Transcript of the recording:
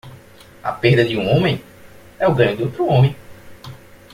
A perda de um homem? é o ganho de outro homem.